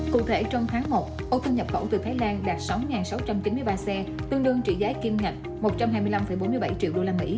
cụ thể trong tháng một ô tô nhập khẩu từ thái lan đạt sáu sáu trăm chín mươi ba xe tương đương trị giá kim ngạch một trăm hai mươi năm bốn mươi bảy triệu usd